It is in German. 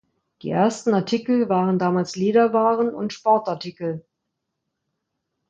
Die ersten Artikel waren damals Lederwaren und Sportartikel.